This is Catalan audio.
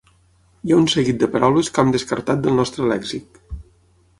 Hi ha un seguit de paraules que hem descartat del nostre lèxic.